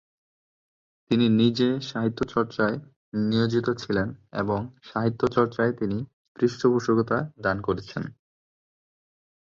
তিনি নিজে সাহিত্যচর্চায় নিয়োজিত ছিলেন এবং সাহিত্যচর্চায় তিনি পৃষ্ঠপোষকতা দান করেছেন।